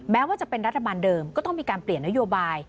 แม้ว่าจะเป็นรัฐบาลเดิมก็ต้องมีการเปลี่ยนนโยบาย